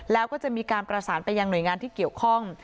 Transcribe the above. แล้วก็จะมีการประสานไปยังหน่วยงานที่เกี่ยวข้อง